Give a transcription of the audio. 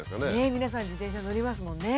皆さん自転車乗りますもんね。